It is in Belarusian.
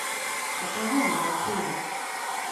А чаго мы хацелі?